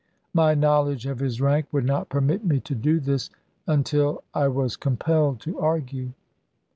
My knowledge of his rank would not permit me to do this; until I was compelled to argue.